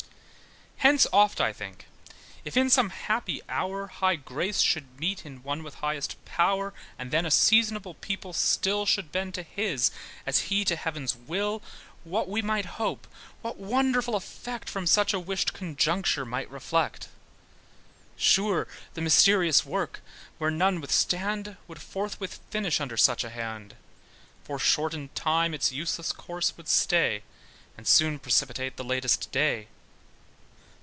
Hence oft I think if in some happy hour High grace should meet in one with highest power, And then a seasonable people still Should bend to his, as he to heaven's will, What we might hope, what wonderful effect From such a wished conjuncture might reflect. Sure, the mysterious work, where none withstand, Would forthwith finish under such a hand: Foreshortened time its useless course would stay, And soon precipitate the latest day.